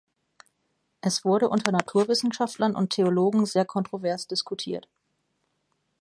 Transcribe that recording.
Es wurde unter Naturwissenschaftlern und Theologen sehr kontrovers diskutiert.